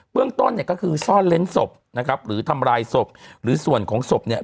เรื่องต้นเนี่ยก็คือซ่อนเล้นศพนะครับหรือทำลายศพหรือส่วนของศพเนี่ย